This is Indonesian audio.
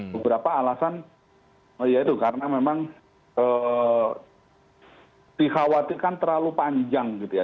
beberapa alasan karena memang dikhawatirkan terlalu panjang gitu ya